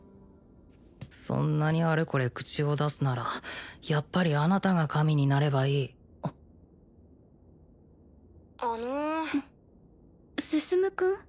そんなにあれこれ口を出すならやっぱりあなたが神になればいいあの向君？